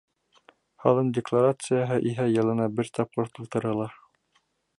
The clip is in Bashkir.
Һалым декларацияһы иһә йылына бер тапҡыр тултырыла.